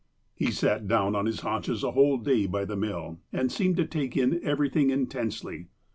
He sat down on his haunches a whole day by the mill, and seemed to take in everything intensely.